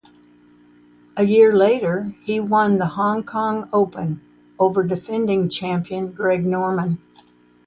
A year later he won the Hong Kong Open over defending champion Greg Norman.